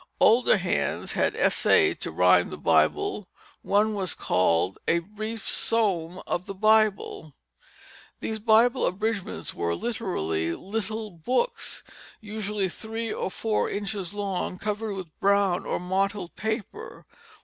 Older hands had essayed to rhyme the Bible; one was called A Briefe Somme of the Bible. These Bible abridgments were literally little books, usually three or four inches long, covered with brown or mottled paper.